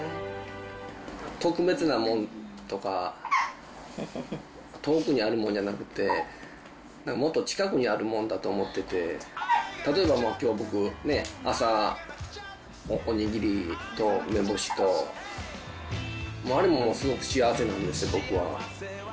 特別なもんとか、遠くにあるもんじゃなくて、もっと近くにあるもんだと思ってて、例えばきょう、僕ね、朝、お握りと梅干と、あれもすごく幸せなんですよ、僕は。